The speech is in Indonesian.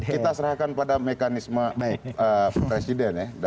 kita serahkan pada mekanisme presiden ya